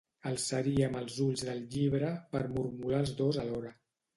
Alçaríem els ulls del llibre per mormolar els dos alhora.